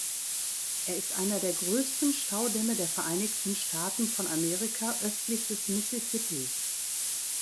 Er ist einer der größten Staudämme der Vereinigten Staaten von Amerika östlich des "Mississippis.